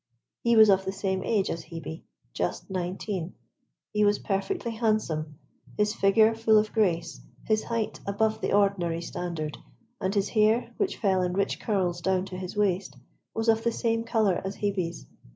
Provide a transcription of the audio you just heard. He was of the same age as Hebe just nineteen. He was perfectly handsome, his figure full of grace, his height above the ordinary standard, and his hair, which fell in rich curls down to his waist, was of the same colour as Hebe's.